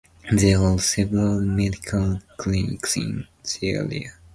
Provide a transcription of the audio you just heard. There are several medical clinics in the area.